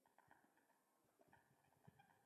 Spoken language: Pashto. هغه د مخالفینو د ځپلو زور نه لري.